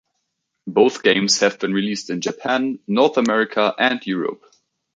Both games have been released in Japan, North America and Europe.